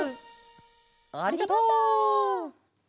ありがとう！